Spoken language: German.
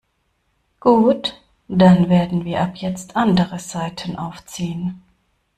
Gut, dann werden wir ab jetzt andere Saiten aufziehen.